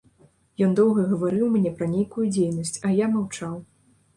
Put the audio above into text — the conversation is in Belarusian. Ён доўга гаварыў мне пра нейкую дзейнасць, а я маўчаў.